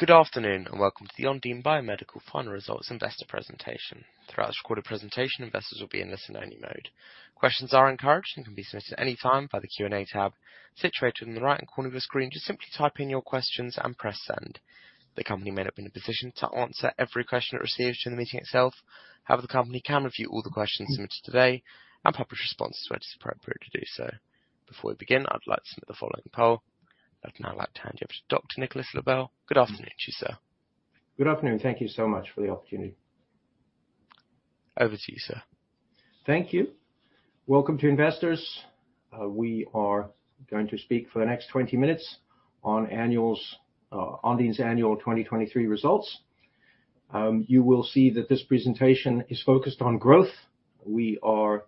Good afternoon, and welcome to the Ondine Biomedical Final Results Investor Presentation. Throughout this recorded presentation, investors will be in listen-only mode. Questions are encouraged and can be submitted at any time by the Q&A tab situated in the right-hand corner of the screen. Just simply type in your questions and press Send. The company may not be in a position to answer every question it receives during the meeting itself. However, the company can review all the questions submitted today and publish responses where it is appropriate to do so. Before we begin, I'd like to submit the following poll. I'd now like to hand you over to Dr. Nicolas Loebel. Good afternoon to you, sir. Good afternoon. Thank you so much for the opportunity. Over to you, sir. Thank you. Welcome to investors. We are going to speak for the next 20 minutes on annuals, Ondine's annual 2023 results. You will see that this presentation is focused on growth. We are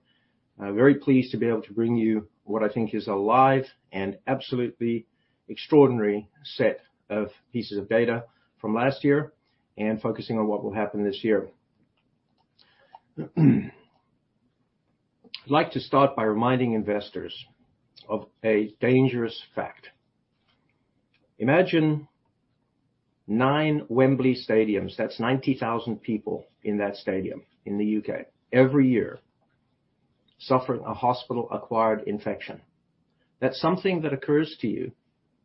very pleased to be able to bring you what I think is a live and absolutely extraordinary set of pieces of data from last year and focusing on what will happen this year. I'd like to start by reminding investors of a dangerous fact. Imagine nine Wembley stadiums, that's 90,000 people in that stadium in the U.K., every year suffering a hospital-acquired infection. That's something that occurs to you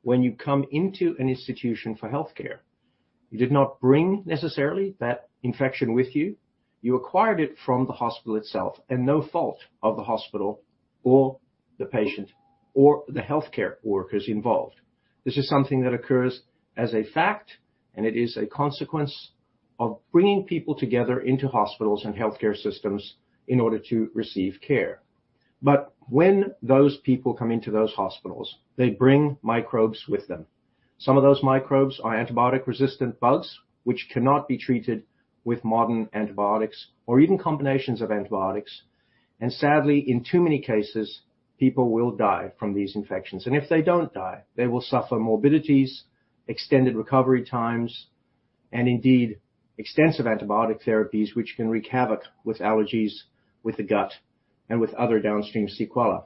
when you come into an institution for healthcare. You did not bring necessarily that infection with you. You acquired it from the hospital itself, and no fault of the hospital or the patient or the healthcare workers involved. This is something that occurs as a fact, and it is a consequence of bringing people together into hospitals and healthcare systems in order to receive care. But when those people come into those hospitals, they bring microbes with them. Some of those microbes are antibiotic-resistant bugs, which cannot be treated with modern antibiotics or even combinations of antibiotics. And sadly, in too many cases, people will die from these infections, and if they don't die, they will suffer morbidities, extended recovery times, and indeed, extensive antibiotic therapies, which can wreak havoc with allergies, with the gut, and with other downstream sequelae.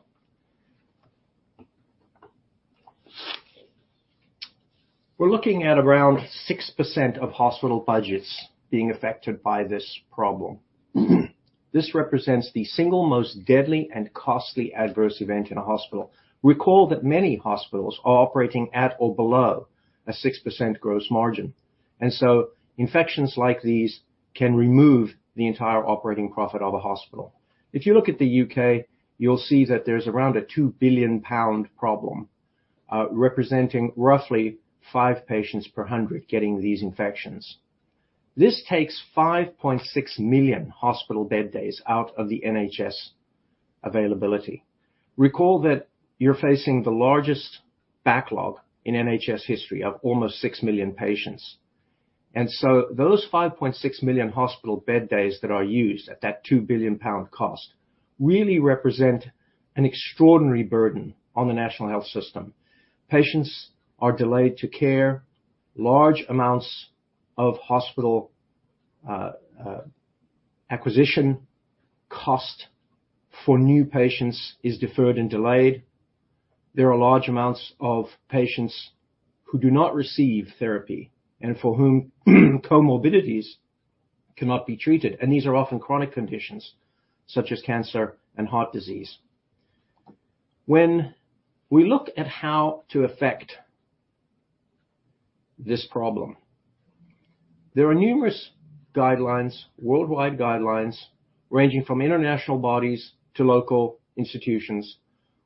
We're looking at around 6% of hospital budgets being affected by this problem. This represents the single most deadly and costly adverse event in a hospital. Recall that many hospitals are operating at or below a 6% gross margin, and so infections like these can remove the entire operating profit of a hospital. If you look at the U.K., you'll see that there's around a 2 billion pound problem, representing roughly five patients per 100 getting these infections. This takes 5.6 million hospital bed days out of the NHS availability. Recall that you're facing the largest backlog in NHS history of almost 6 million patients. And so those 5.6 million hospital bed days that are used at that 2 billion pound cost really represent an extraordinary burden on the National Health Service. Patients are delayed to care. Large amounts of hospital acquisition cost for new patients is deferred and delayed. There are large amounts of patients who do not receive therapy and for whom, comorbidities cannot be treated, and these are often chronic conditions such as cancer and heart disease. When we look at how to affect this problem, there are numerous guidelines, worldwide guidelines, ranging from international bodies to local institutions,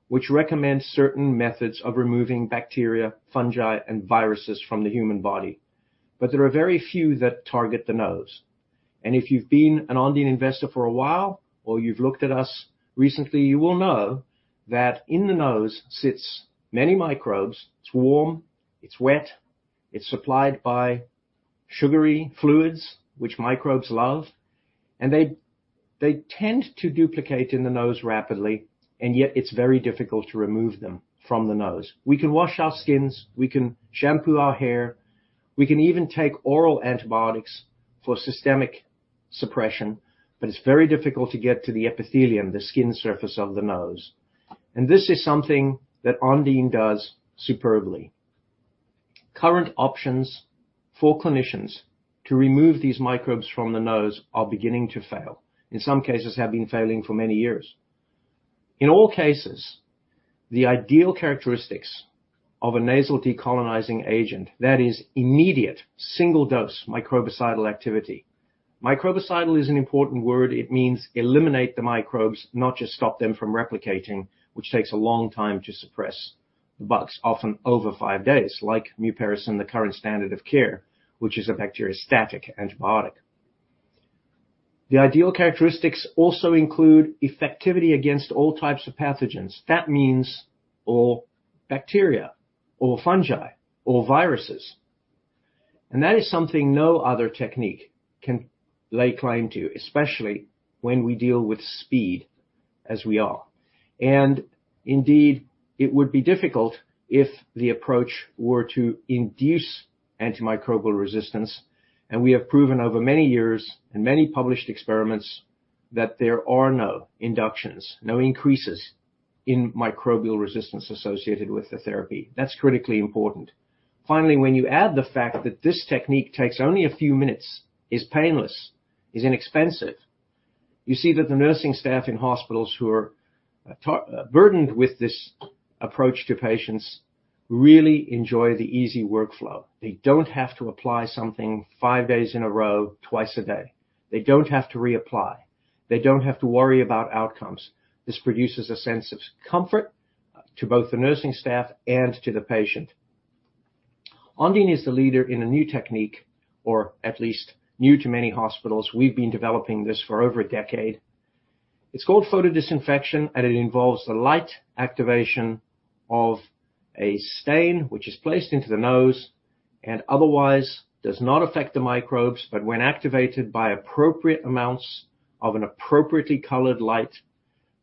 which recommend certain methods of removing bacteria, fungi, and viruses from the human body. But there are very few that target the nose. And if you've been an Ondine investor for a while, or you've looked at us recently, you will know that in the nose sits many microbes. It's warm, it's wet, it's supplied by sugary fluids, which microbes love, and they tend to duplicate in the nose rapidly, and yet it's very difficult to remove them from the nose. We can wash our skins, we can shampoo our hair, we can even take oral antibiotics for systemic suppression, but it's very difficult to get to the epithelium, the skin surface of the nose. This is something that Ondine does superbly. Current options for clinicians to remove these microbes from the nose are beginning to fail, in some cases, have been failing for many years. In all cases, the ideal characteristics of a nasal decolonizing agent, that is immediate single-dose microbicidal activity. Microbicidal is an important word. It means eliminate the microbes, not just stop them from replicating, which takes a long time to suppress the bugs, often over five days, like mupirocin, the current standard of care, which is a bacteriostatic antibiotic. The ideal characteristics also include effectivity against all types of pathogens. That means all bacteria or fungi or viruses. That is something no other technique can lay claim to, especially when we deal with speed as we are. Indeed, it would be difficult if the approach were to induce antimicrobial resistance, and we have proven over many years and many published experiments that there are no inductions, no increases in microbial resistance associated with the therapy. That's critically important. Finally, when you add the fact that this technique takes only a few minutes, is painless, is inexpensive, you see that the nursing staff in hospitals who are burdened with this approach to patients really enjoy the easy workflow. They don't have to apply something five days in a row, twice a day. They don't have to reapply. They don't have to worry about outcomes. This produces a sense of comfort to both the nursing staff and to the patient. Ondine is the leader in a new technique, or at least new to many hospitals. We've been developing this for over a decade. It's called photodisinfection, and it involves the light activation of a stain which is placed into the nose and otherwise does not affect the microbes, but when activated by appropriate amounts of an appropriately colored light,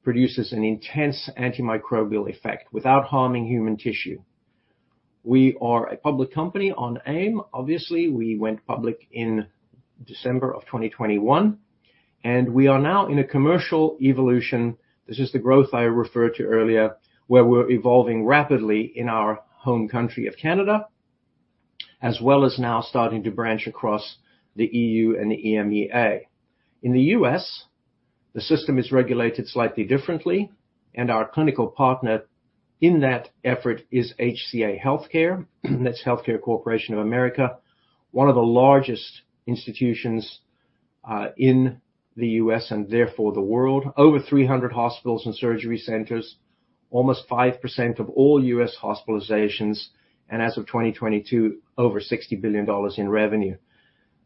produces an intense antimicrobial effect without harming human tissue. We are a public company on AIM. Obviously, we went public in December 2021, and we are now in a commercial evolution. This is the growth I referred to earlier, where we're evolving rapidly in our home country of Canada, as well as now starting to branch across the E.U. and the EMEA. In the U.S., the system is regulated slightly differently, and our clinical partner in that effort is HCA Healthcare. That's Hospital Corporation of America, one of the largest institutions in the U.S. and therefore the world. Over 300 hospitals and surgery centers, almost 5% of all U.S. hospitalizations, and as of 2022, over $60 billion in revenue.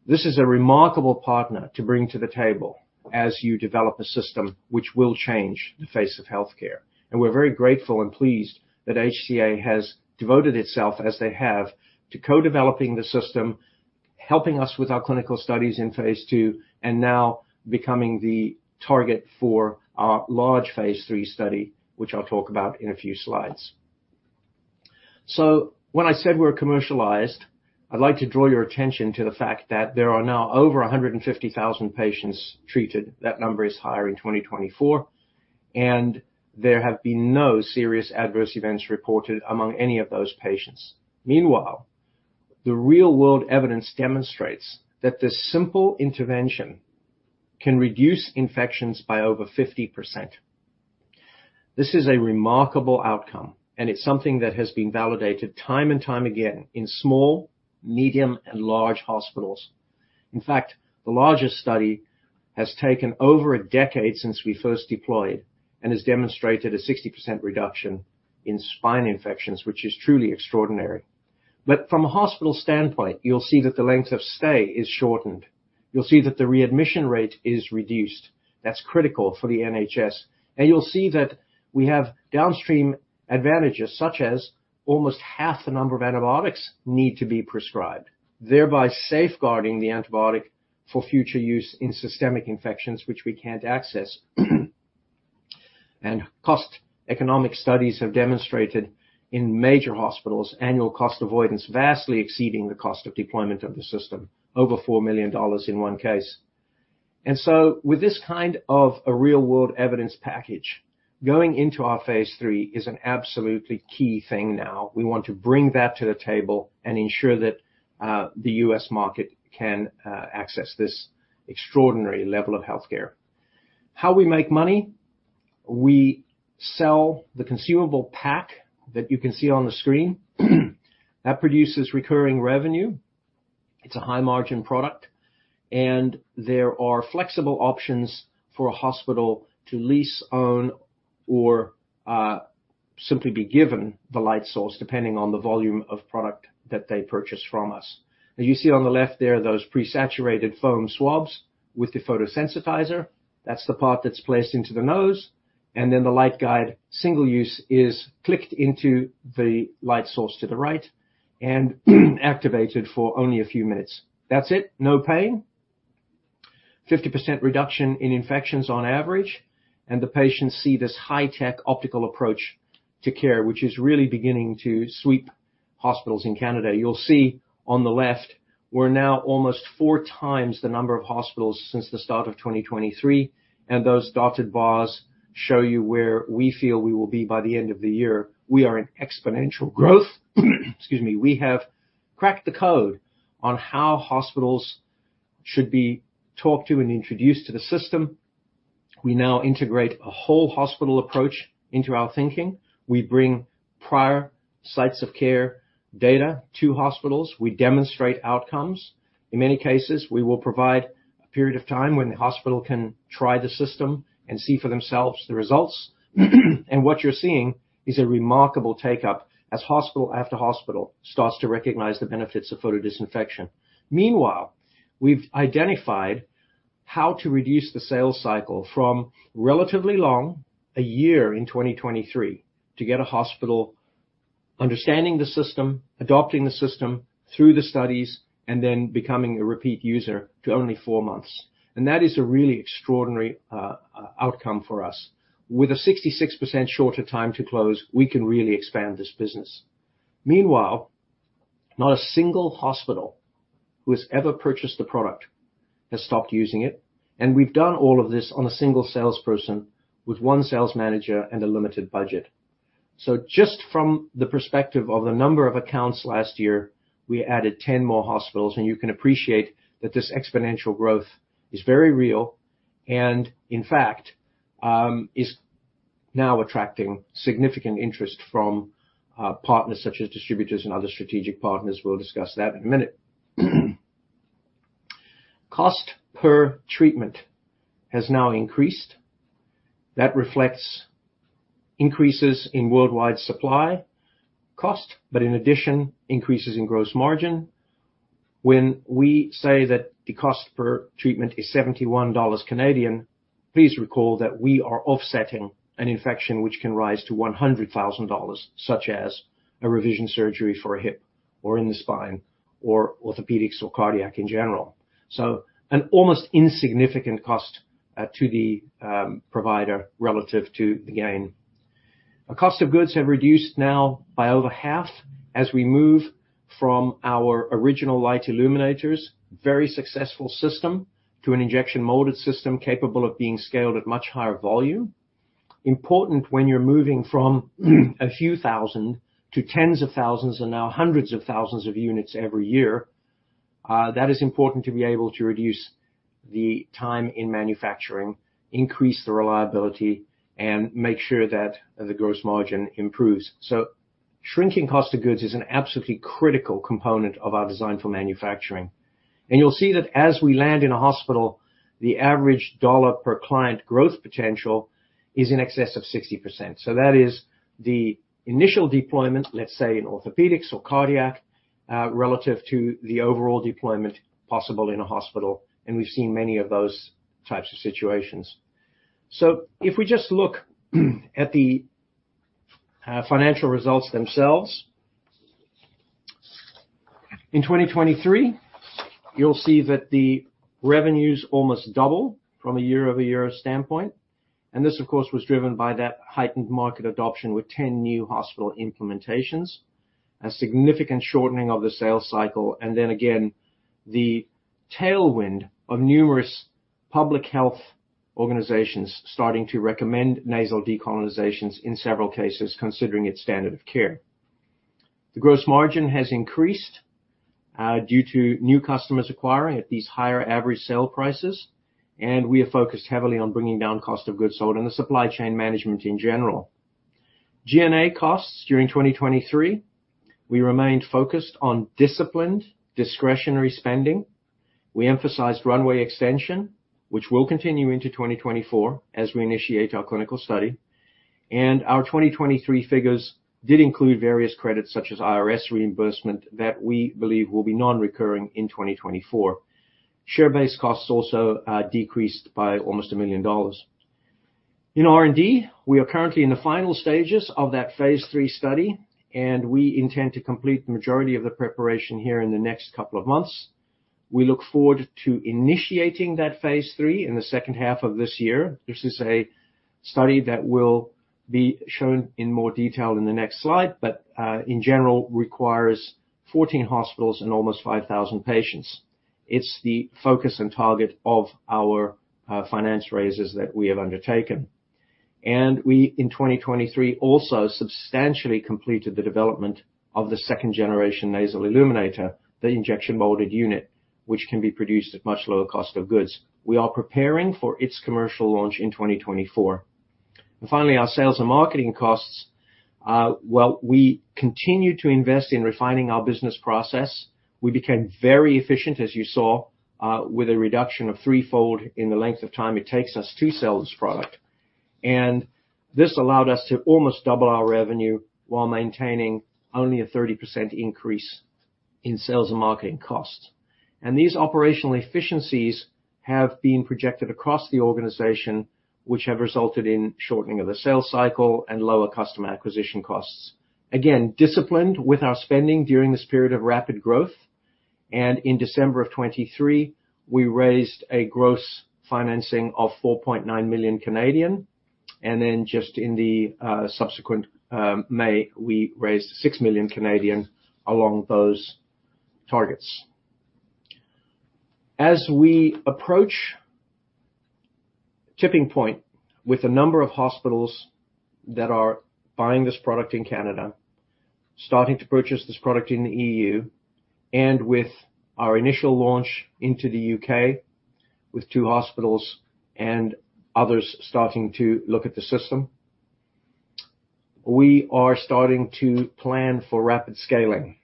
This is a remarkable partner to bring to the table as you develop a system which will change the face of healthcare. We're very grateful and pleased that HCA has devoted itself, as they have, to co-developing the system, helping us with our clinical studies in phase two, and now becoming the target for our large phase III study, which I'll talk about in a few slides. So when I said we're commercialized, I'd like to draw your attention to the fact that there are now over 150,000 patients treated. That number is higher in 2024, and there have been no serious adverse events reported among any of those patients. Meanwhile, the real-world evidence demonstrates that this simple intervention can reduce infections by over 50%. This is a remarkable outcome, and it's something that has been validated time and time again in small, medium, and large hospitals. In fact, the largest study has taken over a decade since we first deployed and has demonstrated a 60% reduction in spine infections, which is truly extraordinary. But from a hospital standpoint, you'll see that the length of stay is shortened. You'll see that the readmission rate is reduced. That's critical for the NHS. And you'll see that we have downstream advantages, such as almost half the number of antibiotics need to be prescribed, thereby safeguarding the antibiotic for future use in systemic infections, which we can't access. Cost economic studies have demonstrated in major hospitals annual cost avoidance vastly exceeding the cost of deployment of the system, over $4 million in one case. So with this kind of a real-world evidence package, going into our phase III is an absolutely key thing now. We want to bring that to the table and ensure that the U.S. market can access this extraordinary level of healthcare. How we make money? We sell the consumable pack that you can see on the screen. That produces recurring revenue. It's a high-margin product, and there are flexible options for a hospital to lease, own, or simply be given the light source, depending on the volume of product that they purchase from us. Now, you see on the left there, those pre-saturated foam swabs with the photosensitizer. That's the part that's placed into the nose, and then the light guide, single-use, is clicked into the light source to the right and activated for only a few minutes. That's it. No pain. 50% reduction in infections on average, and the patients see this high-tech optical approach to care, which is really beginning to sweep hospitals in Canada. You'll see on the left, we're now almost four times the number of hospitals since the start of 2023, and those dotted bars show you where we feel we will be by the end of the year. We are in exponential growth. Excuse me. We have cracked the code on how hospitals should be talked to and introduced to the system. We now integrate a whole hospital approach into our thinking. We bring prior sites of care data to hospitals. We demonstrate outcomes. In many cases, we will provide a period of time when the hospital can try the system and see for themselves the results. And what you're seeing is a remarkable take-up as hospital after hospital starts to recognize the benefits of photodisinfection. Meanwhile, we've identified how to reduce the sales cycle from relatively long, a year in 2023, to get a hospital understanding the system, adopting the system through the studies, and then becoming a repeat user to only four months. And that is a really extraordinary outcome for us. With a 66% shorter time to close, we can really expand this business. Meanwhile, not a single hospital who has ever purchased the product has stopped using it, and we've done all of this on a single salesperson with one sales manager and a limited budget. Just from the perspective of the number of accounts last year, we added 10 more hospitals, and you can appreciate that this exponential growth is very real, and in fact, is now attracting significant interest from partners such as distributors and other strategic partners. We'll discuss that in a minute. Cost per treatment has now increased. That reflects increases in worldwide supply cost, but in addition, increases in gross margin. When we say that the cost per treatment is 71 Canadian dollars, please recall that we are offsetting an infection which can rise to $100,000, such as a revision surgery for a hip or in the spine, or orthopedics or cardiac in general. So an almost insignificant cost to the provider relative to the gain. Our cost of goods have reduced now by over half as we move from our original light illuminators, very successful system, to an injection molded system capable of being scaled at much higher volume. Important when you're moving from a few thousand to tens of thousands, and now hundreds of thousands of units every year, that is important to be able to reduce the time in manufacturing, increase the reliability, and make sure that the gross margin improves. So shrinking cost of goods is an absolutely critical component of our design for manufacturing. And you'll see that as we land in a hospital, the average dollar per client growth potential is in excess of 60%. So that is the initial deployment, let's say, in orthopedics or cardiac, relative to the overall deployment possible in a hospital, and we've seen many of those types of situations. So if we just look at the financial results themselves, in 2023, you'll see that the revenues almost double from a year-over-year standpoint. And this, of course, was driven by that heightened market adoption with 10 new hospital implementations, a significant shortening of the sales cycle, and then again, the tailwind of numerous public health organizations starting to recommend nasal decolonizations in several cases, considering its standard of care. The gross margin has increased due to new customers acquiring at these higher average sale prices, and we have focused heavily on bringing down cost of goods sold and the supply chain management in general. G&A costs during 2023, we remained focused on disciplined discretionary spending. We emphasized runway extension, which will continue into 2024 as we initiate our clinical study, and our 2023 figures did include various credits, such as IRS reimbursement, that we believe will be non-recurring in 2024. Share-based costs also decreased by almost $1 million. In R&D, we are currently in the final stages of that phase III study, and we intend to complete the majority of the preparation here in the next couple of months. We look forward to initiating that phase III in the second half of this year. This is a study that will be shown in more detail in the next slide, but in general, requires 14 hospitals and almost 5,000 patients. It's the focus and target of our finance raises that we have undertaken. In 2023, we also substantially completed the development of the 2nd generation Nasal Illuminator, the injection molded unit, which can be produced at much lower cost of goods. We are preparing for its commercial launch in 2024. And finally, our sales and marketing costs. Well, we continue to invest in refining our business process. We became very efficient, as you saw, with a reduction of threefold in the length of time it takes us to sell this product. And this allowed us to almost double our revenue while maintaining only a 30% increase in sales and marketing costs. And these operational efficiencies have been projected across the organization, which have resulted in shortening of the sales cycle and lower customer acquisition costs. Again, disciplined with our spending during this period of rapid growth, and in December of 2023, we raised a gross financing of 4.9 million, and then just in the subsequent May, we raised 6 million along those targets. As we approach tipping point with the number of hospitals that are buying this product in Canada, starting to purchase this product in the E.U., and with our initial launch into the U.K., with two hospitals and others starting to look at the system, we are starting to plan for rapid scaling.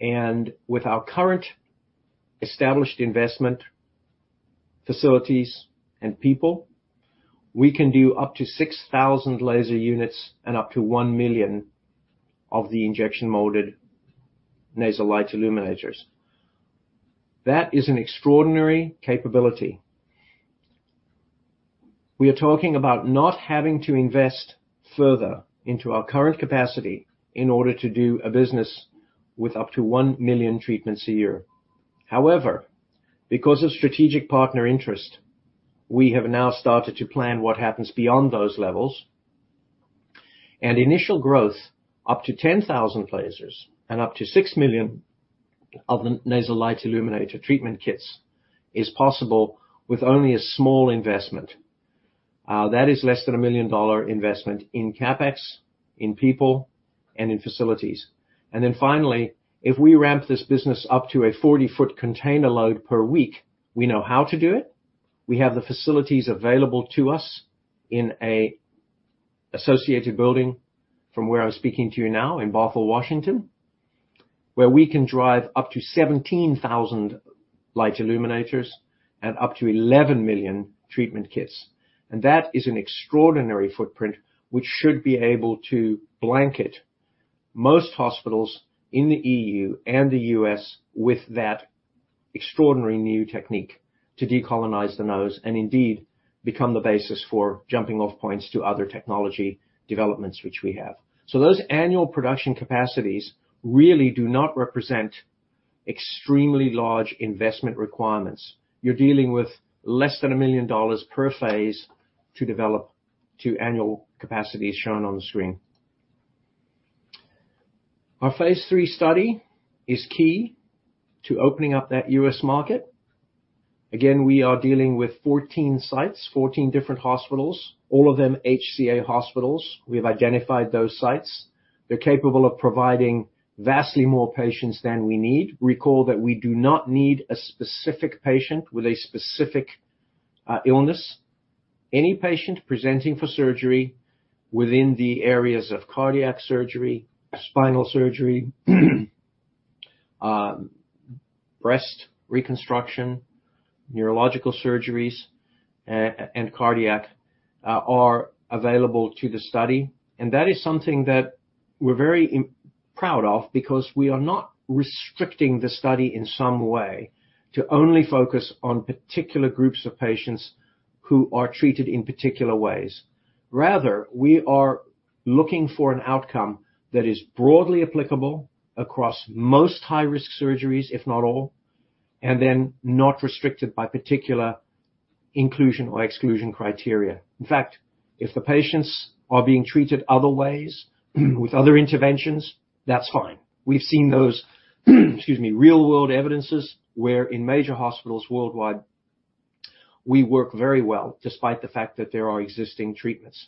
And with our current established investment, facilities, and people, we can do up to 6,000 laser units and up to 1 million of the injection molded nasal light illuminators. That is an extraordinary capability. We are talking about not having to invest further into our current capacity in order to do a business with up to 1 million treatments a year. However, because of strategic partner interest, we have now started to plan what happens beyond those levels.... Initial growth up to 10,000 lasers and up to 6 million of the nasal light illuminator treatment kits is possible with only a small investment. That is less than $1 million investment in CapEx, in people, and in facilities. And then finally, if we ramp this business up to a 40-foot container load per week, we know how to do it. We have the facilities available to us in an associated building from where I'm speaking to you now in Bothell, Washington, where we can drive up to 17,000 light illuminators and up to 11 million treatment kits. That is an extraordinary footprint, which should be able to blanket most hospitals in the E.U. and the U.S. with that extraordinary new technique to decolonize the nose, and indeed, become the basis for jumping-off points to other technology developments, which we have. Those annual production capacities really do not represent extremely large investment requirements. You're dealing with less than $1 million per phase to develop to annual capacities shown on the screen. Our phase III study is key to opening up that U.S. market. Again, we are dealing with 14 sites, 14 different hospitals, all of them HCA hospitals. We have identified those sites. They're capable of providing vastly more patients than we need. Recall that we do not need a specific patient with a specific illness. Any patient presenting for surgery within the areas of cardiac surgery, spinal surgery, breast reconstruction, neurological surgeries, and cardiac are available to the study, and that is something that we're very proud of because we are not restricting the study in some way to only focus on particular groups of patients who are treated in particular ways. Rather, we are looking for an outcome that is broadly applicable across most high-risk surgeries, if not all, and then not restricted by particular inclusion or exclusion criteria. In fact, if the patients are being treated other ways, with other interventions, that's fine. We've seen those, excuse me, real-world evidences, where in major hospitals worldwide, we work very well despite the fact that there are existing treatments.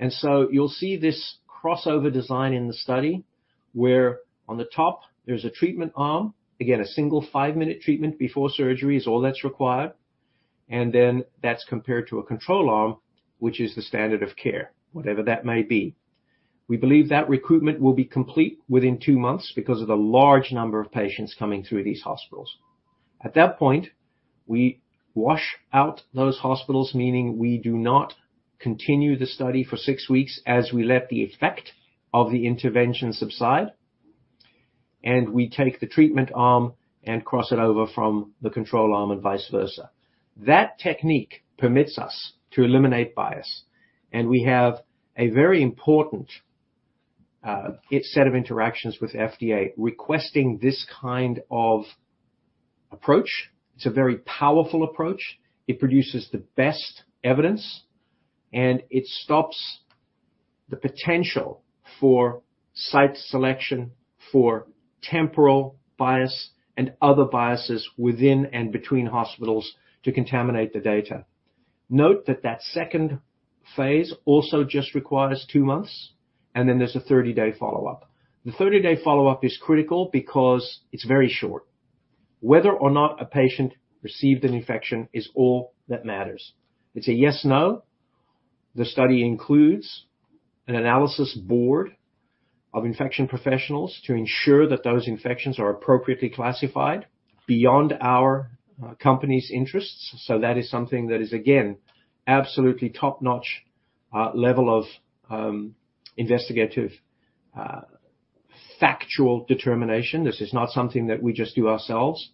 And so you'll see this crossover design in the study, where on the top there's a treatment arm. Again, a single 5-minute treatment before surgery is all that's required, and then that's compared to a control arm, which is the standard of care, whatever that may be. We believe that recruitment will be complete within two months because of the large number of patients coming through these hospitals. At that point, we wash out those hospitals, meaning we do not continue the study for six weeks as we let the effect of the intervention subside, and we take the treatment arm and cross it over from the control arm and vice versa. That technique permits us to eliminate bias, and we have a very important set of interactions with FDA requesting this kind of approach. It's a very powerful approach. It produces the best evidence, and it stops the potential for site selection, for temporal bias and other biases within and between hospitals to contaminate the data. Note that that second phase also just requires two months, and then there's a 30-day follow-up. The 30-day follow-up is critical because it's very short. Whether or not a patient received an infection is all that matters. It's a yes, no. The study includes an analysis board of infection professionals to ensure that those infections are appropriately classified beyond our company's interests. So that is something that is, again, absolutely top-notch level of investigative factual determination. This is not something that we just do ourselves,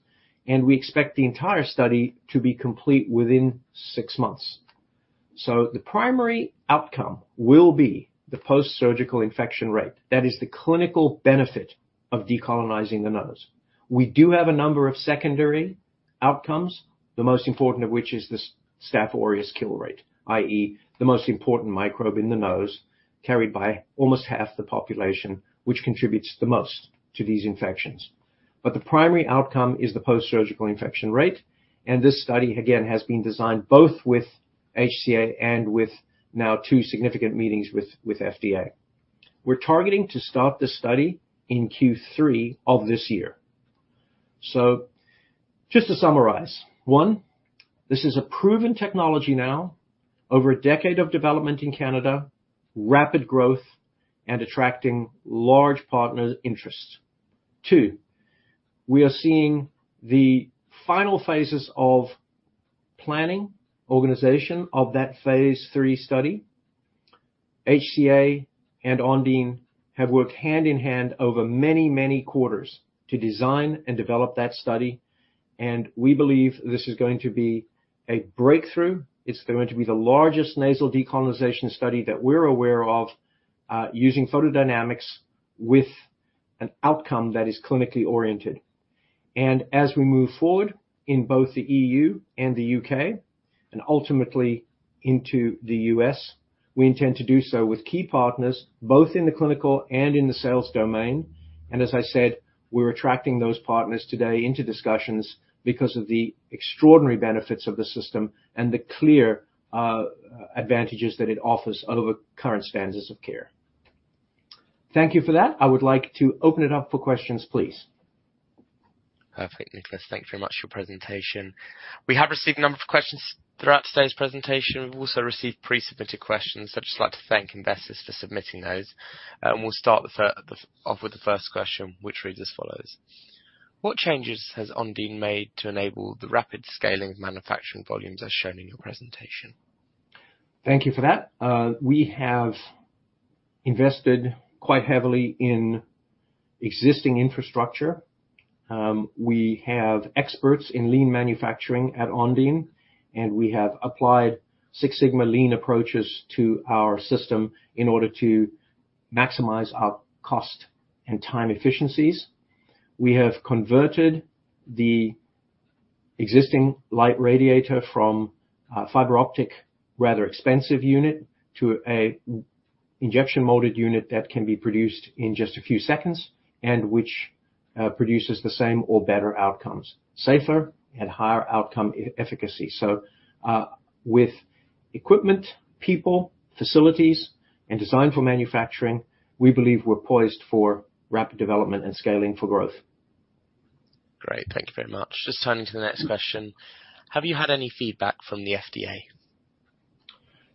and we expect the entire study to be complete within six months. So the primary outcome will be the post-surgical infection rate. That is the clinical benefit of decolonizing the nose. We do have a number of secondary outcomes, the most important of which is the Staph aureus kill rate, i.e., the most important microbe in the nose, carried by almost half the population, which contributes the most to these infections. But the primary outcome is the post-surgical infection rate, and this study, again, has been designed both with HCA and with now two significant meetings with FDA. We're targeting to start this study in Q3 of this year. So just to summarize, one, this is a proven technology now, over a decade of development in Canada, rapid growth, and attracting large partner interest. Two, we are seeing the final phases of planning, organization of that phase III study. HCA and Ondine have worked hand in hand over many, many quarters to design and develop that study, and we believe this is going to be a breakthrough. It's going to be the largest nasal decolonization study that we're aware of, using photodynamics with an outcome that is clinically oriented.... And as we move forward in both the E.U. and the U.K., and ultimately into the U.S., we intend to do so with key partners, both in the clinical and in the sales domain. And as I said, we're attracting those partners today into discussions because of the extraordinary benefits of the system and the clear, advantages that it offers over current standards of care. Thank you for that. I would like to open it up for questions, please. Perfect, Nicolas. Thank you very much for your presentation. We have received a number of questions throughout today's presentation. We've also received pre-submitted questions. I'd just like to thank investors for submitting those. And we'll start off with the first question, which reads as follows: What changes has Ondine made to enable the rapid scaling of manufacturing volumes as shown in your presentation? Thank you for that. We have invested quite heavily in existing infrastructure. We have experts in lean manufacturing at Ondine, and we have applied Six Sigma lean approaches to our system in order to maximize our cost and time efficiencies. We have converted the existing light radiator from fiber optic, rather expensive unit, to a injection molded unit that can be produced in just a few seconds, and which produces the same or better outcomes. Safer and higher outcome efficacy. So, with equipment, people, facilities, and design for manufacturing, we believe we're poised for rapid development and scaling for growth. Great. Thank you very much. Just turning to the next question: Have you had any feedback from the FDA?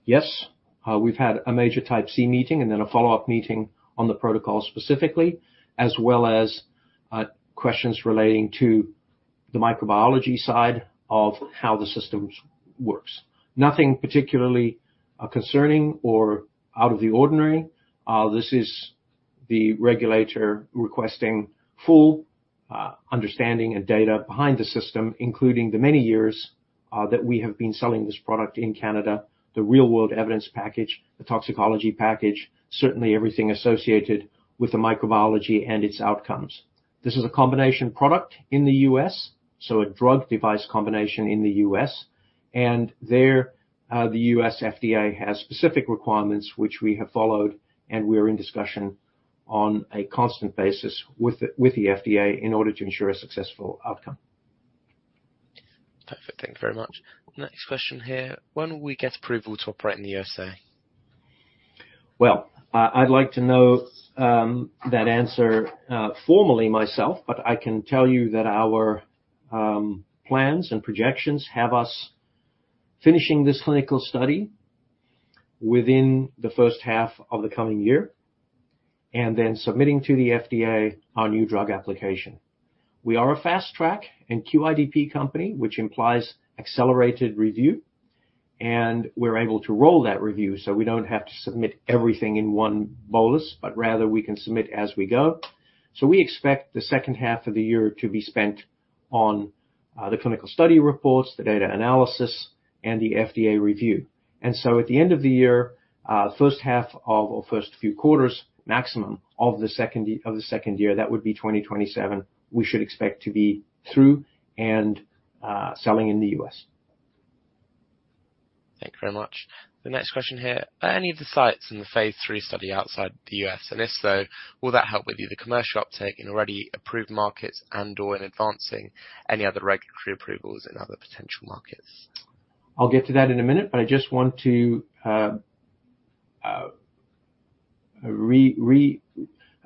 Yes. We've had a major Type C meeting and then a follow-up meeting on the protocol specifically, as well as questions relating to the microbiology side of how the system works. Nothing particularly concerning or out of the ordinary. This is the regulator requesting full understanding and data behind the system, including the many years that we have been selling this product in Canada, the real world evidence package, the toxicology package, certainly everything associated with the microbiology and its outcomes. This is a combination product in the U.S., so a drug device combination in the U.S., and there, the U.S. FDA has specific requirements which we have followed, and we are in discussion on a constant basis with the FDA in order to ensure a successful outcome. Perfect. Thank you very much. Next question here: When will we get approval to operate in the U.S.A? Well, I'd like to know that answer formally myself, but I can tell you that our plans and projections have us finishing this clinical study within the first half of the coming year, and then submitting to the FDA our new drug application. We are a Fast Track and QIDP company, which implies accelerated review, and we're able to roll that review, so we don't have to submit everything in one bolus, but rather we can submit as we go. So we expect the second half of the year to be spent on the clinical study reports, the data analysis, and the FDA review. And so at the end of the year, first half or first few quarters, maximum of the second year, that would be 2027, we should expect to be through and selling in the U.S.. Thank you very much. The next question here: Are any of the sites in the phase III study outside the U.S.? And if so, will that help with either the commercial uptake in already approved markets and/or in advancing any other regulatory approvals in other potential markets? I'll get to that in a minute, but I just want to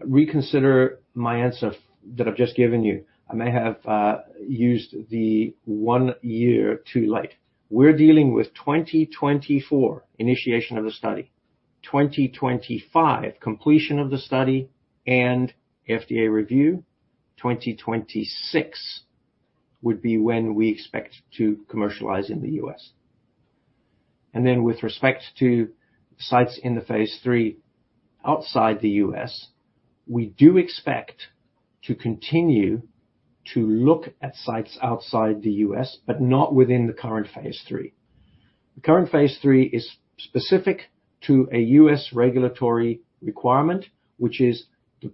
reconsider my answer that I've just given you. I may have used the one year too late. We're dealing with 2024 initiation of the study, 2025 completion of the study and FDA review. 2026 would be when we expect to commercialize in the U.S. And then with respect to sites in the phase III outside the U.S., we do expect to continue to look at sites outside the U.S., but not within the current phase III. The current phase III is specific to a U.S. regulatory requirement, which is the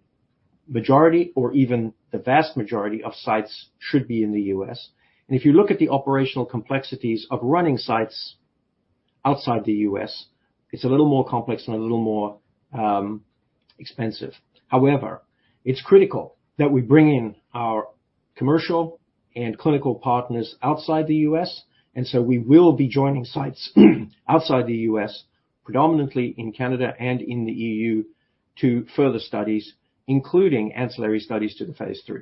majority or even the vast majority of sites should be in the U.S. And if you look at the operational complexities of running sites outside the U.S., it's a little more complex and a little more expensive. However, it's critical that we bring in our commercial and clinical partners outside the U.S., and so we will be joining sites, outside the U.S., predominantly in Canada and in the E.U., to further studies, including ancillary studies to the phase III.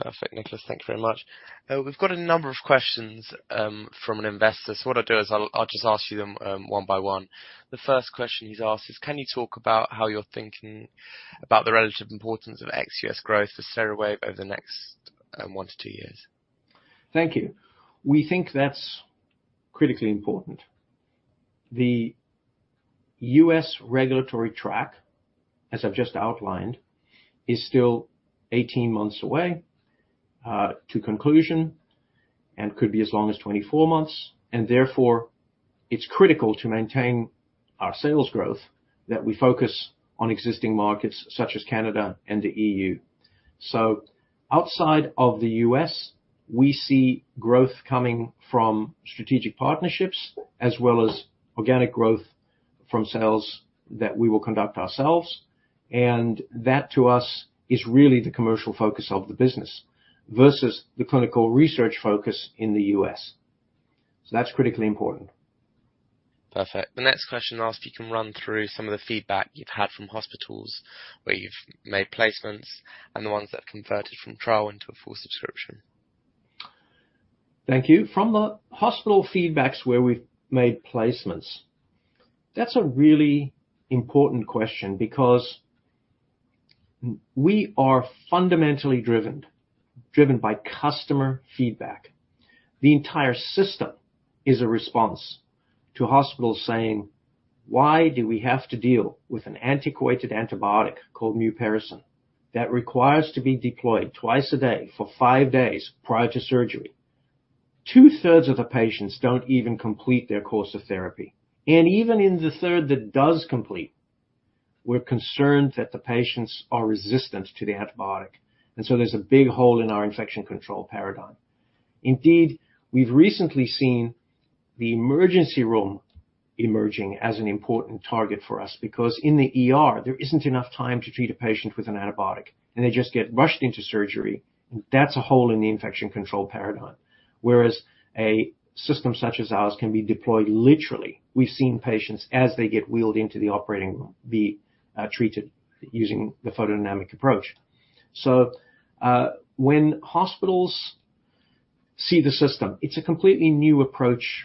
Perfect, Nicolas. Thank you very much. We've got a number of questions from an investor. So what I'll do is I'll just ask you them one by one. The first question he's asked is: Can you talk about how you're thinking about the relative importance of ex-U.S. growth for Steriwave over the next one to two years? Thank you. We think that's critically important. The U.S. regulatory track, as I've just outlined, is still 18 months away to conclusion and could be as long as 24 months, and therefore, it's critical to maintain our sales growth, that we focus on existing markets such as Canada and the E.U.. So outside of the U.S., we see growth coming from strategic partnerships, as well as organic growth from sales that we will conduct ourselves. And that, to us, is really the commercial focus of the business, versus the clinical research focus in the U.S. So that's critically important. Perfect. The next question asks, "If you can run through some of the feedback you've had from hospitals where you've made placements, and the ones that have converted from trial into a full subscription? Thank you. From the hospital feedbacks where we've made placements, that's a really important question, because we are fundamentally driven, driven by customer feedback. The entire system is a response to hospitals saying, "Why do we have to deal with an antiquated antibiotic called mupirocin, that requires to be deployed twice a day for five days prior to surgery? Two-thirds of the patients don't even complete their course of therapy. And even in the third that does complete, we're concerned that the patients are resistant to the antibiotic. And so there's a big hole in our infection control paradigm." Indeed, we've recently seen the emergency room emerging as an important target for us, because in the ER, there isn't enough time to treat a patient with an antibiotic, and they just get rushed into surgery, and that's a hole in the infection control paradigm. Whereas a system such as ours can be deployed. Literally, we've seen patients as they get wheeled into the operating room, be treated using the photodynamic approach. So, when hospitals see the system, it's a completely new approach,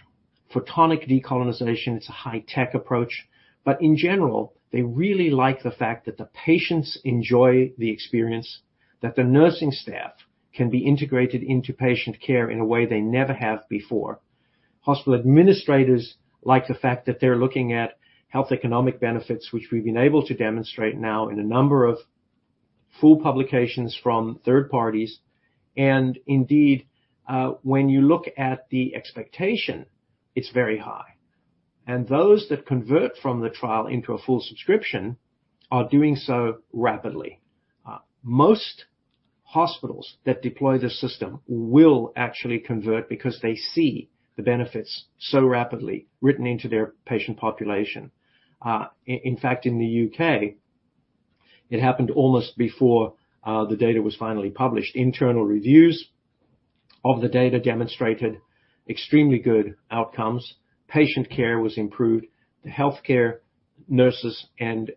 photonic decolonization, it's a high-tech approach. But in general, they really like the fact that the patients enjoy the experience, that the nursing staff can be integrated into patient care in a way they never have before. Hospital administrators like the fact that they're looking at health economic benefits, which we've been able to demonstrate now in a number of full publications from third parties. And indeed, when you look at the expectation, it's very high. And those that convert from the trial into a full subscription are doing so rapidly. Most hospitals that deploy the system will actually convert because they see the benefits so rapidly written into their patient population. In fact, in the U.K., it happened almost before the data was finally published. Internal reviews of the data demonstrated extremely good outcomes. Patient care was improved. The healthcare nurses and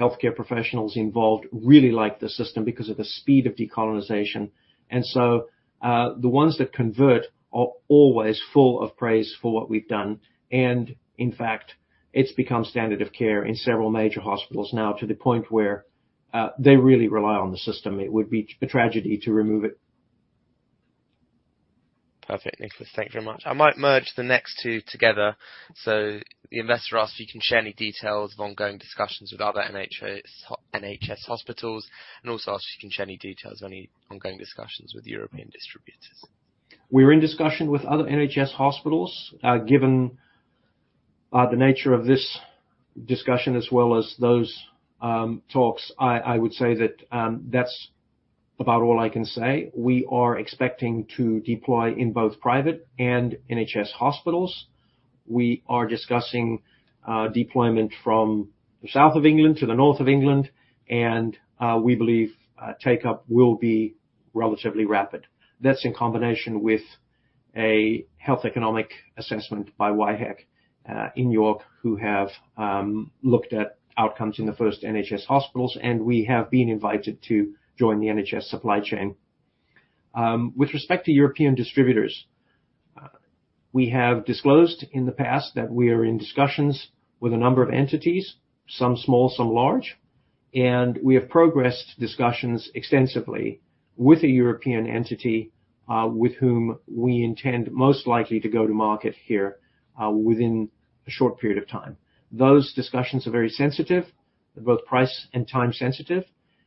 healthcare professionals involved really liked the system because of the speed of decolonization. And so, the ones that convert are always full of praise for what we've done, and in fact, it's become standard of care in several major hospitals now, to the point where they really rely on the system. It would be a tragedy to remove it. Perfect, Nicolas. Thank you very much. I might merge the next two together. So the investor asks, "If you can share any details of ongoing discussions with other NHS, NHS hospitals," and also asks, "If you can share any details on any ongoing discussions with European distributors. We're in discussion with other NHS hospitals. Given the nature of this discussion, as well as those talks, I would say that that's about all I can say. We are expecting to deploy in both private and NHS hospitals. We are discussing deployment from the south of England to the north of England, and we believe take-up will be relatively rapid. That's in combination with a health economic assessment by YHEC in York, who have looked at outcomes in the first NHS hospitals, and we have been invited to join the NHS supply chain. With respect to European distributors, we have disclosed in the past that we are in discussions with a number of entities, some small, some large, and we have progressed discussions extensively with a European entity, with whom we intend, most likely, to go to market here, within a short period of time. Those discussions are very sensitive, they're both price and time sensitive,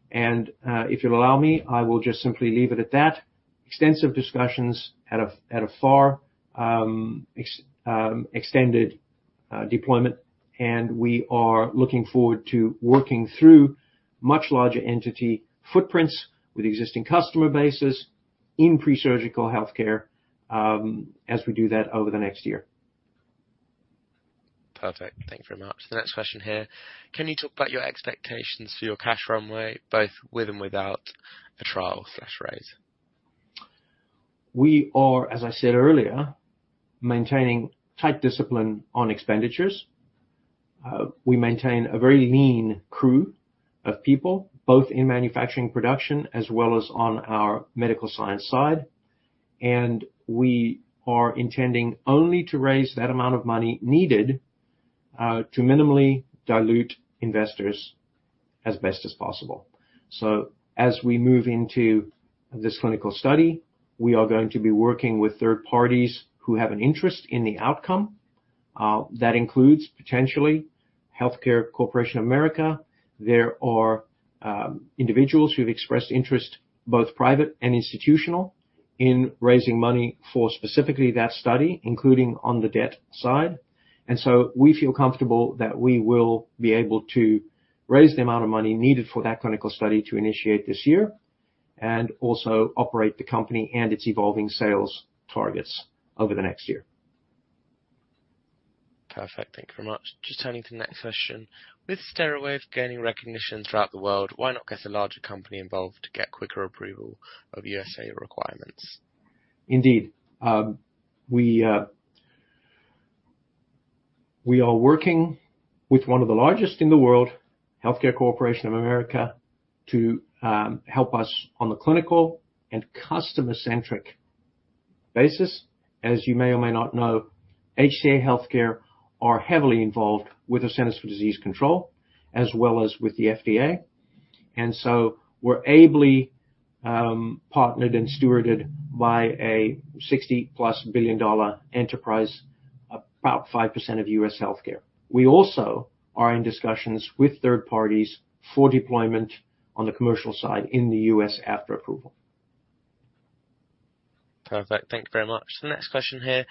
and, if you'll allow me, I will just simply leave it at that. Extensive discussions at a far extended deployment, and we are looking forward to working through much larger entity footprints with existing customer bases in pre-surgical healthcare, as we do that over the next year. Perfect. Thank you very much. The next question here: "Can you talk about your expectations for your cash runway, both with and without a trial/raise? We are, as I said earlier, maintaining tight discipline on expenditures. We maintain a very lean crew of people, both in manufacturing production as well as on our medical science side. We are intending only to raise that amount of money needed to minimally dilute investors as best as possible. As we move into this clinical study, we are going to be working with third parties who have an interest in the outcome. That includes, potentially, HCA Healthcare. There are individuals who've expressed interest, both private and institutional, in raising money for specifically that study, including on the debt side. So we feel comfortable that we will be able to raise the amount of money needed for that clinical study to initiate this year, and also operate the company and its evolving sales targets over the next year. Perfect. Thank you very much. Just turning to the next question: With Steriwave gaining recognition throughout the world, why not get a larger company involved to get quicker approval of U.S.A requirements? Indeed. We are working with one of the largest in the world, Healthcare Corporation America, to help us on the clinical and customer-centric basis. As you may or may not know, HCA Healthcare are heavily involved with the Centers for Disease Control, as well as with the FDA. And so we're ably partnered and stewarded by a $60+ billion-dollar enterprise, about 5% of U.S. healthcare. We also are in discussions with third parties for deployment on the commercial side in the U.S. after approval. Perfect. Thank you very much. The next question here: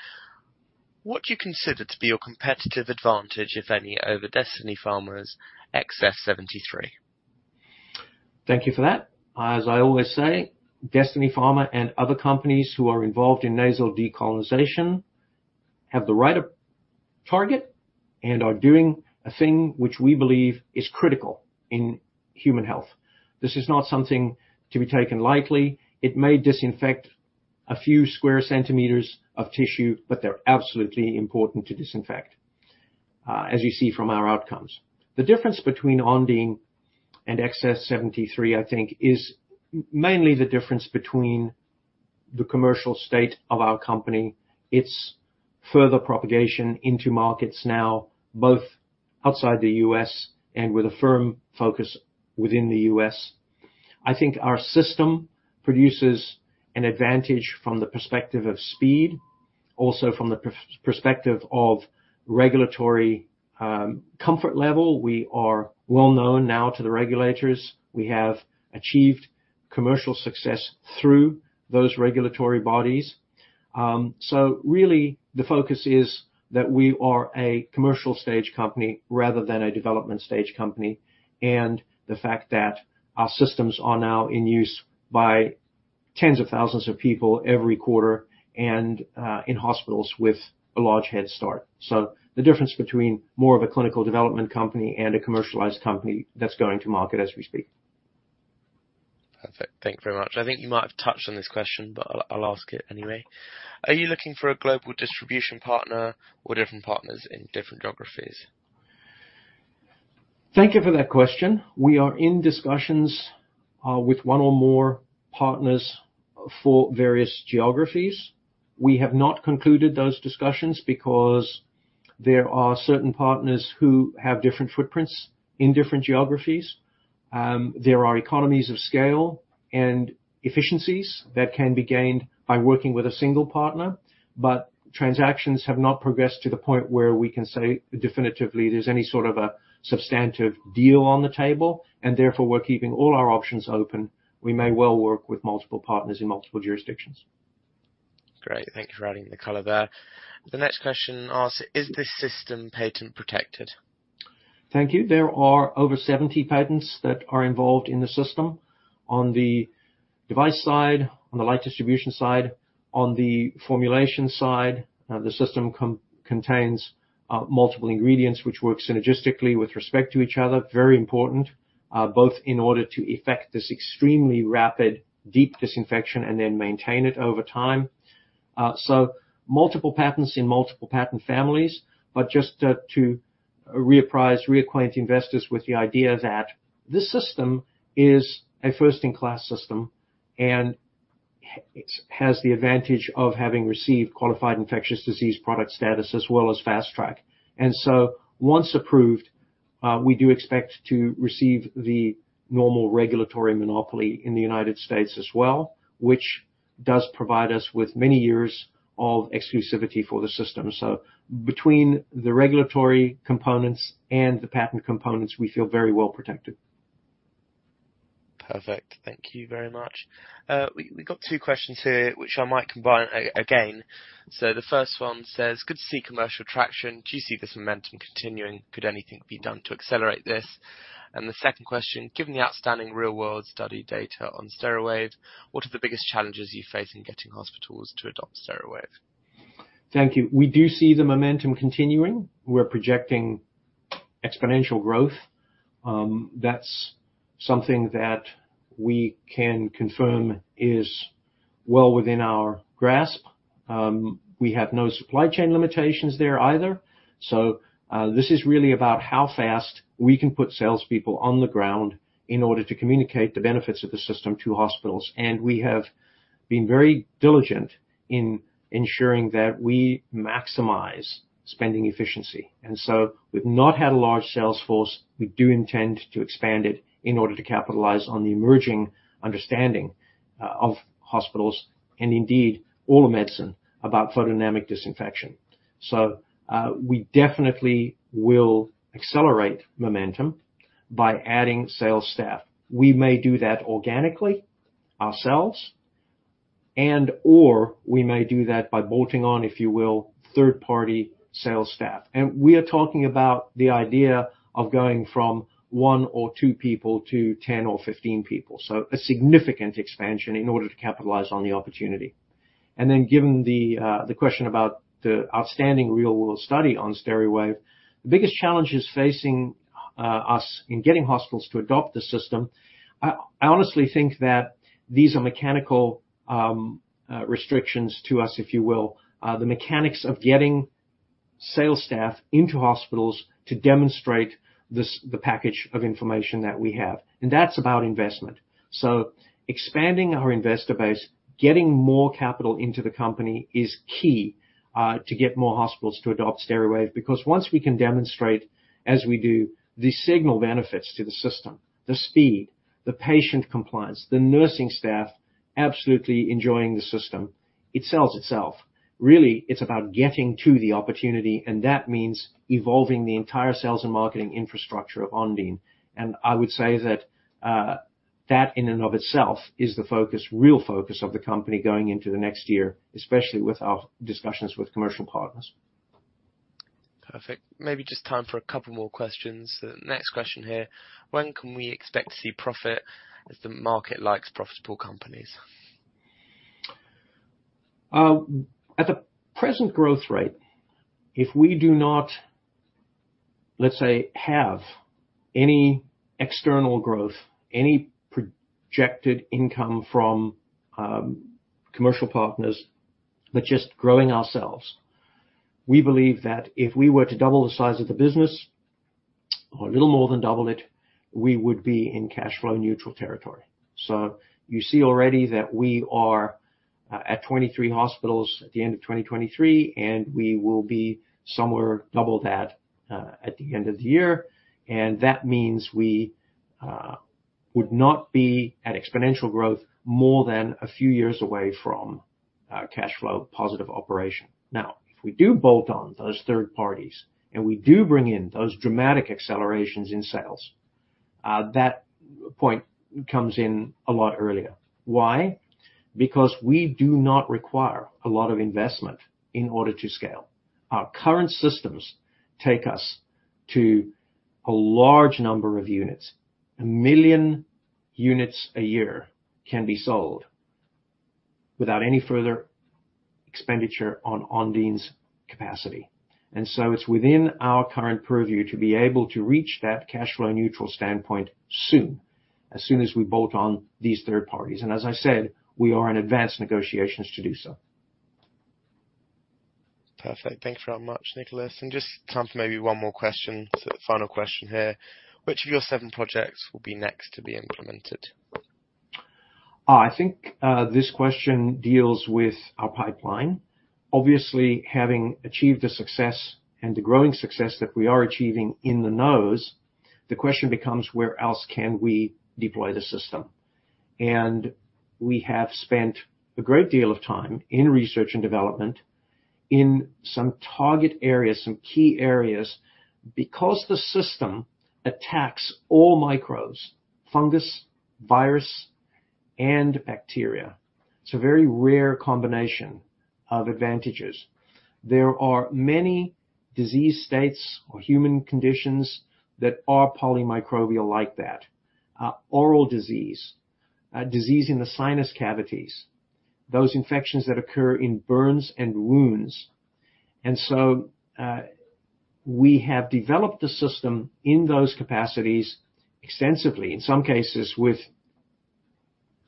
What do you consider to be your competitive advantage, if any, over Destiny Pharma's XF-73? Thank you for that. As I always say, Destiny Pharma and other companies who are involved in nasal decolonization have the right of target and are doing a thing which we believe is critical in human health. This is not something to be taken lightly. It may disinfect a few square centimeters of tissue, but they're absolutely important to disinfect, as you see from our outcomes. The difference between Ondine and XF-73, I think, is mainly the difference between the commercial state of our company, its further propagation into markets now, both outside the U.S. and with a firm focus within the U.S. I think our system produces an advantage from the perspective of speed, also from the perspective of regulatory, comfort level. We are well known now to the regulators. We have achieved commercial success through those regulatory bodies. So really, the focus is that we are a commercial stage company rather than a development stage company, and the fact that our systems are now in use by tens of thousands of people every quarter and in hospitals with a large head start. So the difference between more of a clinical development company and a commercialized company that's going to market as we speak. Perfect. Thank you very much. I think you might have touched on this question, but I'll ask it anyway. Are you looking for a global distribution partner or different partners in different geographies? Thank you for that question. We are in discussions with one or more partners for various geographies. We have not concluded those discussions, because there are certain partners who have different footprints in different geographies. There are economies of scale and efficiencies that can be gained by working with a single partner, but transactions have not progressed to the point where we can say definitively there's any sort of a substantive deal on the table, and therefore, we're keeping all our options open. We may well work with multiple partners in multiple jurisdictions. Great. Thank you for adding the color there. The next question asks: Is this system patent protected? Thank you. There are over 70 patents that are involved in the system. On the device side, on the light distribution side, on the formulation side, the system contains multiple ingredients, which work synergistically with respect to each other, very important, both in order to effect this extremely rapid, deep disinfection and then maintain it over time. So multiple patents in multiple patent families, but just to apprise, reacquaint investors with the idea that this system is a first-in-class system, and it has the advantage of having received Qualified Infectious Disease Product status, as well as Fast Track. Once approved, we do expect to receive the normal regulatory monopoly in the United States as well, which does provide us with many years of exclusivity for the system. Between the regulatory components and the patent components, we feel very well protected. Perfect. Thank you very much. We've got two questions here, which I might combine again. So the first one says: Good to see commercial traction. Do you see this momentum continuing? Could anything be done to accelerate this? And the second question: Given the outstanding real-world study data on Steriwave, what are the biggest challenges you face in getting hospitals to adopt Steriwave? Thank you. We do see the momentum continuing. We're projecting exponential growth. That's something that we can confirm is well within our grasp. We have no supply chain limitations there either. So, this is really about how fast we can put salespeople on the ground in order to communicate the benefits of the system to hospitals. And we have been very diligent in ensuring that we maximize spending efficiency. And so we've not had a large sales force. We do intend to expand it in order to capitalize on the emerging understanding of hospitals and indeed, all of medicine, about photodisinfection. So, we definitely will accelerate momentum by adding sales staff. We may do that organically, ourselves, and/or we may do that by bolting on, if you will, third-party sales staff. We are talking about the idea of going from one or two people to 10 or 15 people, so a significant expansion in order to capitalize on the opportunity. Then, given the question about the outstanding real-world study on Steriwave, the biggest challenges facing us in getting hospitals to adopt the system, I honestly think that these are mechanical restrictions to us, if you will. The mechanics of getting sales staff into hospitals to demonstrate this, the package of information that we have, and that's about investment. So expanding our investor base, getting more capital into the company, is key to get more hospitals to adopt Steriwave. Because once we can demonstrate, as we do, the signal benefits to the system, the speed, the patient compliance, the nursing staff absolutely enjoying the system, it sells itself. Really, it's about getting to the opportunity, and that means evolving the entire sales and marketing infrastructure of Ondine. And I would say that, in and of itself, is the focus, real focus of the company going into the next year, especially with our discussions with commercial partners. Perfect. Maybe just time for a couple more questions. The next question here: When can we expect to see profit, as the market likes profitable companies? At the present growth rate, if we do not, let's say, have any external growth, any projected income from, commercial partners, but just growing ourselves, we believe that if we were to double the size of the business, or a little more than double it, we would be in cash flow neutral territory. So you see already that we are, at 23 hospitals at the end of 2023, and we will be somewhere double that, at the end of the year. And that means we, would not be at exponential growth more than a few years away from, cash flow positive operation. Now, if we do bolt on those third parties, and we do bring in those dramatic accelerations in sales, that point comes in a lot earlier. Why? Because we do not require a lot of investment in order to scale. Our current systems take us to a large number of units. 1 million units a year can be sold without any further expenditure on Ondine's capacity. And so it's within our current purview to be able to reach that cash flow neutral standpoint soon, as soon as we bolt on these third parties. And as I said, we are in advanced negotiations to do so. Perfect. Thank you very much, Nicolas. And just time for maybe one more question. So the final question here: Which of your seven projects will be next to be implemented? I think, this question deals with our pipeline. Obviously, having achieved the success, and the growing success that we are achieving in the nose, the question becomes: Where else can we deploy the system? And we have spent a great deal of time in research and development in some target areas, some key areas, because the system attacks all microbes, fungus, virus, and bacteria. It's a very rare combination of advantages. There are many disease states or human conditions that are polymicrobial like that. Oral disease, disease in the sinus cavities, those infections that occur in burns and wounds. And so, we have developed the system in those capacities extensively, in some cases with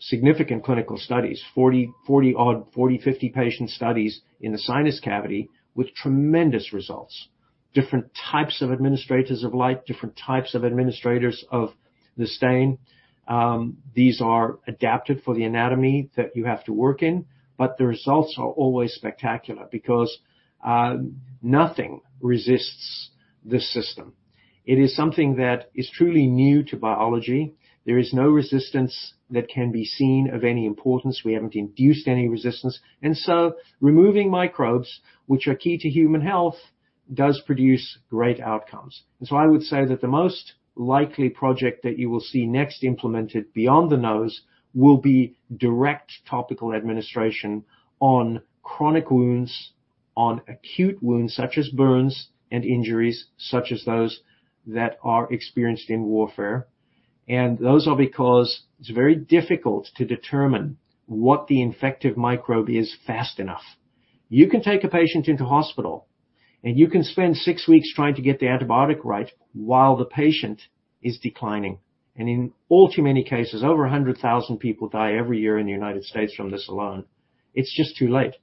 significant clinical studies, 40, 40-odd, 40, 50 patient studies in the sinus cavity with tremendous results. Different types of administrators of light, different types of administrators of the stain. These are adapted for the anatomy that you have to work in, but the results are always spectacular, because nothing resists this system. It is something that is truly new to biology. There is no resistance that can be seen of any importance. We haven't induced any resistance. And so removing microbes, which are key to human health, does produce great outcomes. And so I would say that the most likely project that you will see next implemented beyond the nose, will be direct topical administration on chronic wounds, on acute wounds, such as burns and injuries, such as those that are experienced in warfare. And those are because it's very difficult to determine what the infective microbe is, fast enough. You can take a patient into hospital, and you can spend six weeks trying to get the antibiotic right while the patient is declining. In all too many cases, over 100,000 people die every year in the United States from this alone. It's just too late.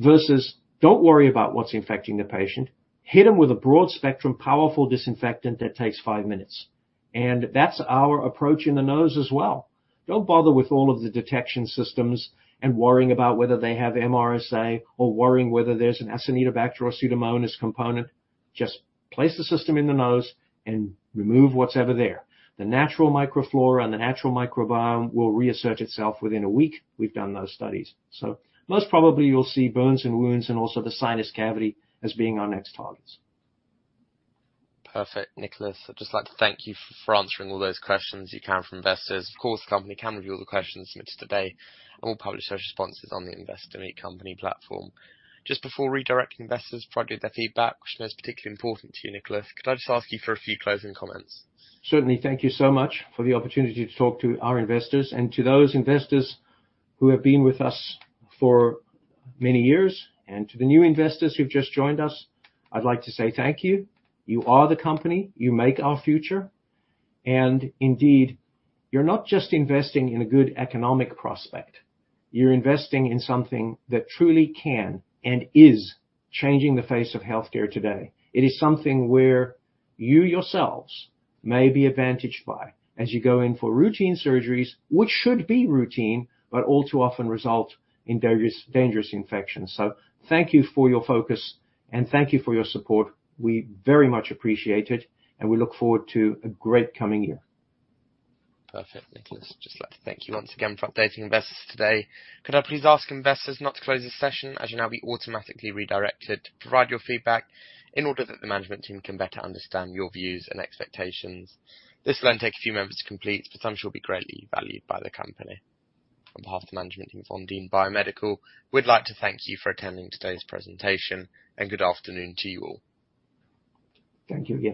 Versus, "Don't worry about what's infecting the patient. Hit them with a broad-spectrum, powerful disinfectant that takes five minutes." That's our approach in the nose as well. Don't bother with all of the detection systems and worrying about whether they have MRSA, or worrying whether there's an Acinetobacter or Pseudomonas component. Just place the system in the nose and remove whatever's there. The natural microflora and the natural microbiome will reassert itself within a week. We've done those studies. Most probably, you'll see burns and wounds, and also the sinus cavity as being our next targets. Perfect. Nicolas, I'd just like to thank you for answering all those questions you can from investors. Of course, the company can review all the questions submitted today, and we'll publish those responses on the Investor Meet Company platform. Just before redirecting investors to provide their feedback, which is particularly important to you, Nicolas, could I just ask you for a few closing comments? Certainly. Thank you so much for the opportunity to talk to our investors. To those investors who have been with us for many years, and to the new investors who've just joined us, I'd like to say thank you. You are the company, you make our future, and indeed, you're not just investing in a good economic prospect, you're investing in something that truly can, and is, changing the face of healthcare today. It is something where you yourselves may be advantaged by as you go in for routine surgeries, which should be routine, but all too often result in dangerous, dangerous infections. Thank you for your focus, and thank you for your support. We very much appreciate it, and we look forward to a great coming year. Perfect. Nicolas, I'd just like to thank you once again for updating investors today. Could I please ask investors not to close this session, as you'll now be automatically redirected to provide your feedback in order that the management team can better understand your views and expectations. This will then take a few moments to complete, but I'm sure it will be greatly valued by the company. On behalf of the management team from Ondine Biomedical, we'd like to thank you for attending today's presentation, and good afternoon to you all. Thank you.